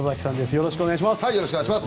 よろしくお願いします。